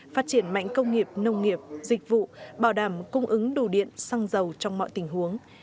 phát triển mạnh công nghiệp nông nghiệp dịch vụ bảo đảm cung ứng đủ điện xăng dầu trong mọi tình huống